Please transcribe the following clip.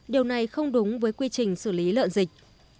điều này không đúng với quy trình xử lý lợn dịch